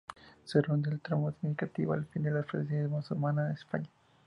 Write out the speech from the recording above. Su renuncia al trono significó el fin de la presencia musulmana en España.